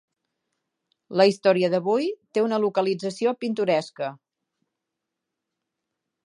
La història d'avui té una localització pintoresca.